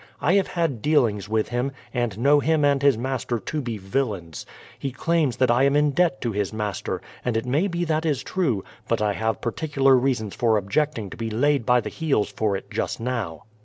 "I have had dealings with him, and know him and his master to be villains. He claims that I am in debt to his master, and it may be that it is true; but I have particular reasons for objecting to be laid by the heels for it just now."